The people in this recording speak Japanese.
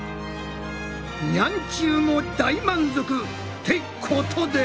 ニャンちゅうも大満足！ってことで！